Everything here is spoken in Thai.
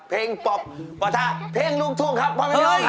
เพลงปลอปปะทะเพลงลุกทุ่งครับเพลงพี่น้องครับ